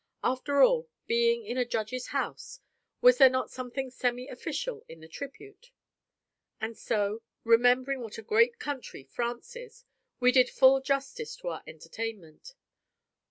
After all, being in a Judge's house, was there not something semi official in the tribute? And so, remembering what a great country France is, we did full justice to our entertainment.